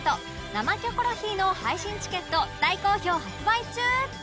「生キョコロヒー」の配信チケット大好評発売中